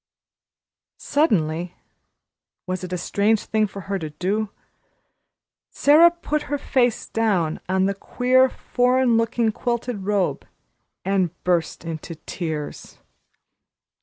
Suddenly was it a strange thing for her to do? Sara put her face down on the queer, foreign looking quilted robe and burst into tears.